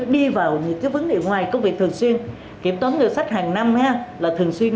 đi vào những vấn đề ngoài công việc thường xuyên kiểm toán ngân sách hàng năm là thường xuyên